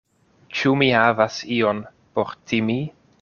Ĉu mi havas ion por timi?